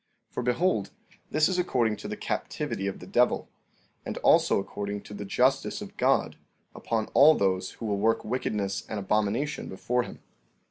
14:4 For behold, this is according to the captivity of the devil, and also according to the justice of God, upon all those who will work wickedness and abomination before him.